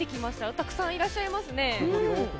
たくさんいらっしゃいますね。